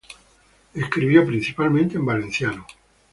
Escribió principalmente en valenciano.